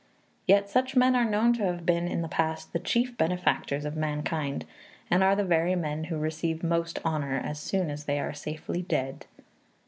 Yet such men are known to have been in the past the chief benefactors of mankind, and are the very men who receive most honor as soon as they are safely dead.